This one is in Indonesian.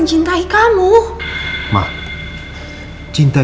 emang aku itu tersangkag